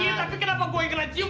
iya tapi kenapa gue yang kena cium